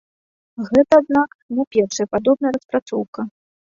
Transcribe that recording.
Гэта, аднак, не першая падобная распрацоўка.